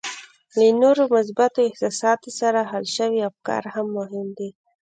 له نورو مثبتو احساساتو سره حل شوي افکار هم مهم دي